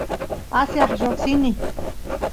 pasiaq lloqsini